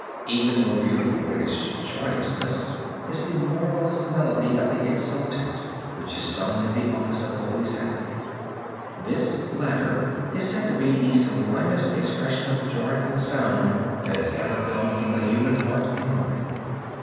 Even more beautiful in its joyousness is the marvelous melody of the Exultet which is sung in the Office of Holy Saturday. This latter is said to be the sublimest expression of joyful sound that has ever come from the human heart and mind.